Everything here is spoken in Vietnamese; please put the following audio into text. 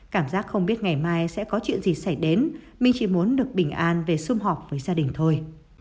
cảm giác không biết ngày mai sẽ có chuyện gì xảy đến mình chỉ muốn được bình an về xung họp với gia đình thôi